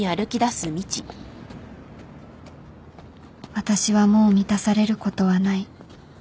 私はもう満たされることはない